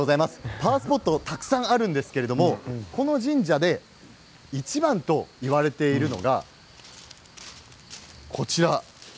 パワースポットがたくさんあるんですけれどもこの神社でいちばんといわれているのがこちら。